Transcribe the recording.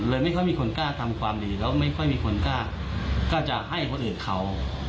ไม่ค่อยมีคนกล้าทำความดีแล้วไม่ค่อยมีคนกล้าก็จะให้คนอื่นเขา